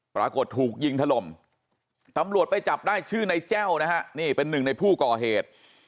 ปรากฏถูกยิงถล่มตำรวจไปจับได้ชื่อในแจ้วนะฮะนี่เป็นหนึ่งในผู้ก่อเหตุ